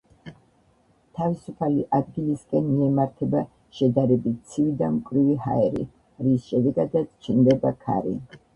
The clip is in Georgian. თავისუფალი ადგილისკენ მიემართება შედარებით ცივი და მკვრივი ჰაერი, რის შედეგადაც ჩნდება ქარი.